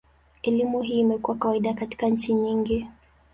Elimu hii imekuwa kawaida katika nchi nyingi.